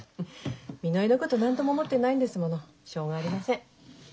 みのりのこと何とも思ってないんですものしょうがありません。